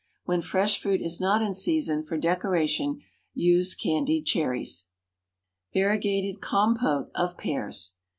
When fresh fruit is not in season for decoration, use candied cherries. _Variegated Compote of Pears.